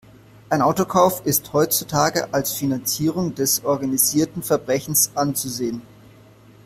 Ein Autokauf ist heutzutage als Finanzierung des organisierten Verbrechens anzusehen.